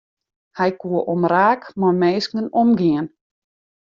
Hy koe omraak mei minsken omgean.